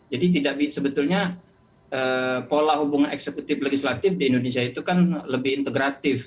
jadi sebetulnya pola hubungan eksekutif legislatif di indonesia itu kan lebih integratif